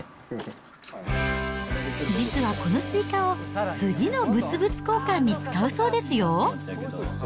実はこのスイカを次の物々交換に使うそうですよ。